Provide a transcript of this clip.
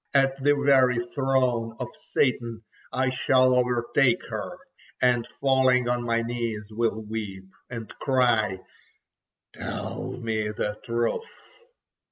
At the very throne of Satan I shall overtake her, and falling on my knees will weep; and cry: "Tell me the truth!"